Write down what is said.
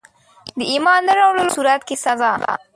د ایمان نه راوړلو په صورت کي سزا.